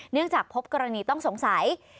จากพบกรณีต้องสงสัย